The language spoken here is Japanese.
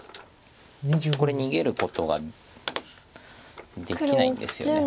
これ逃げることができないんですよね。